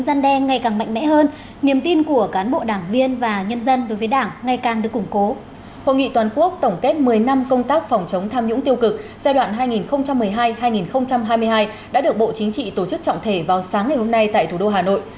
đã được bộ chính trị tổ chức trọng thể vào sáng ngày hôm nay tại thủ đô hà nội